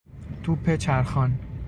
توپ چرخان